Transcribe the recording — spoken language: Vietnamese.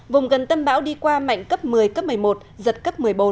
vùng gần tâm bão đi qua mạnh cấp một mươi cấp một mươi một giật cấp một mươi bốn